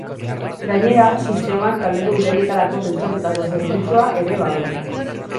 Gainera, sistemak taldeko bidaietarako pentsatutako zerbitzua ere badu.